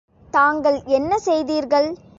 தாங்கள் என்ன செய்தீர்கள்?